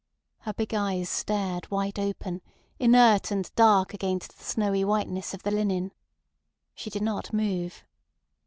Her big eyes stared wide open, inert and dark against the snowy whiteness of the linen. She did not move.